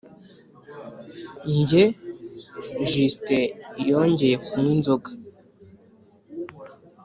njye: justin yongeye kunywa inzoga?